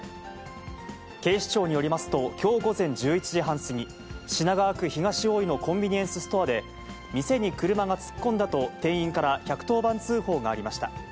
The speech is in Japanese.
警視庁によりますと、きょう午前１１時半過ぎ、品川区東大井のコンビニエンスストアで、店に車が突っ込んだと店員から１１０番通報がありました。